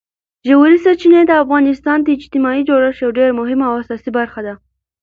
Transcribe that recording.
ژورې سرچینې د افغانستان د اجتماعي جوړښت یوه ډېره مهمه او اساسي برخه ده.